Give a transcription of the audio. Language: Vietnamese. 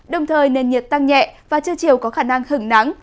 đồng thời nền nhiệt tăng nhẹ và trưa chiều có khả năng hứng nắng